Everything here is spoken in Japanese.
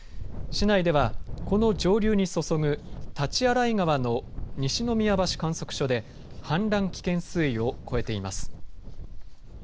市内ではこの上流に注ぐ大刀洗川の西の宮橋観測所で氾濫危険水位を超えています。